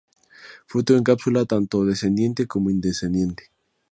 Fruto en cápsula, tanto dehiscente como indehiscente.